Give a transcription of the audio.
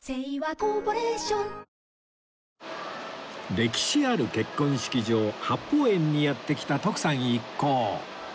歴史ある結婚式場八芳園にやって来た徳さん一行